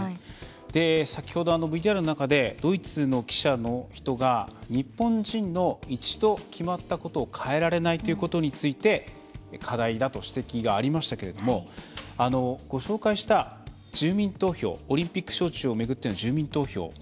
先ほど、ＶＴＲの中でドイツの記者の人が日本人の一度決まったことを変えられないということについて課題だと指摘がありましたけどもご紹介したオリンピック招致を巡っての住民投票。